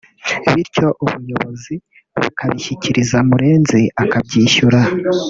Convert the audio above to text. bityo ubuyobozi bukabishyikiriza Murenzi akabyishyura